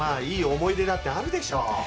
いい思い出だってあるでしょう。